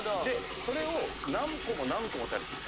でそれを何個も何個も食べる。